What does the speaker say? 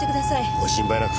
ご心配なく。